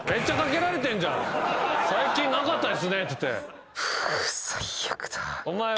「最近なかったですね」っつって。